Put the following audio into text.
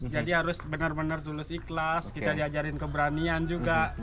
jadi harus benar benar tulus ikhlas kita diajarin keberanian juga